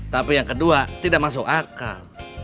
tapi yang kedua tidak masuk akal